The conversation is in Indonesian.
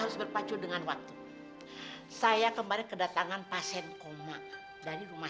sampai jumpa di video selanjutnya